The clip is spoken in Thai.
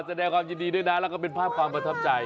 แสดงความยินดีด้วยนะแล้วก็เป็นภาพความประทับใจ